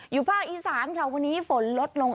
อยู่ภาคอีสานแถววันนี้ฝนลดลง